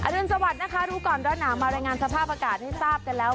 รุนสวัสดิ์นะคะรู้ก่อนร้อนหนาวมารายงานสภาพอากาศให้ทราบกันแล้ว